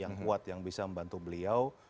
yang kuat yang bisa membantu beliau